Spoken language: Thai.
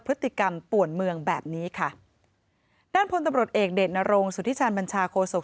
พฤติกรรมป่วนเมืองแบบนี้ค่ะด้านพลตำรวจเอกเดชนรงสุธิชาญบัญชาโคศก